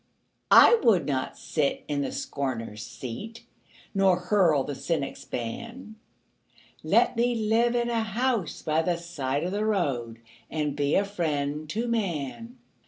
I would not sit in the scorner's seat Nor hurl the cynic's ban Let me live in a house by the side of the road And be a friend to man.